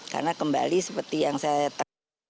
karena kembali seperti yang saya